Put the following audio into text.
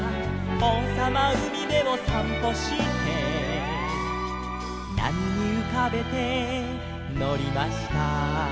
「おうさまうみべをさんぽして」「なみにうかべてのりました」